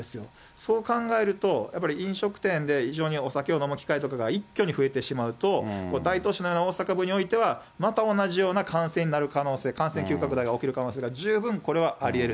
そう考えると、やっぱり飲食店で非常にお酒を飲む機会とかが一挙に増えてしまうと、大都市のような大阪部においては、また同じような感染になる可能性、感染急拡大が起きる可能性が十分、これはありえる。